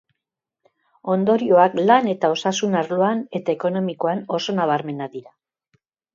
Ondorioak lan eta osasun arloan eta ekonomikoak oso nabarmenak dira.